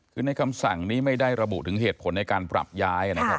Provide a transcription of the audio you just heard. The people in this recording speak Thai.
คือในคำสั่งนี้ไม่ได้ระบุถึงเหตุผลในการปรับย้ายนะครับ